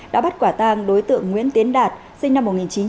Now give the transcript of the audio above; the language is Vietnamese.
đã bắt quả tàng đối tượng nguyễn tiến đạt sinh năm một nghìn chín trăm tám mươi ba